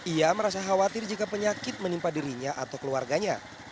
ia merasa khawatir jika penyakit menimpa dirinya atau keluarganya